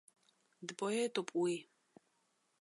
Дпоетуп уи.